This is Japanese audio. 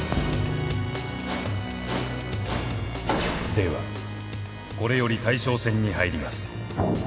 ではこれより大将戦に入ります。